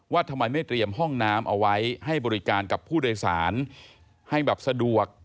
ทำไมไม่เตรียมห้องน้ำเอาไว้ให้บริการกับผู้โดยสารให้แบบสะดวก